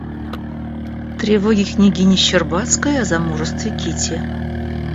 Тревоги княгини Щербацкой о замужестве Кити.